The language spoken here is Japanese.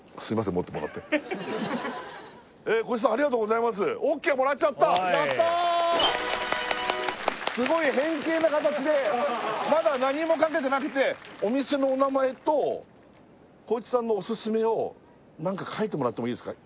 持ってもらって幸一さんありがとうございますオッケーもらっちゃったすごい変形な形でまだ何も書けてなくてお店のお名前と幸一さんのオススメを何か書いてもらってもいいですか？